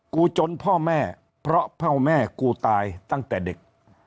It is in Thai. จนพ่อแม่เพราะพ่อแม่กูตายตั้งแต่เด็ก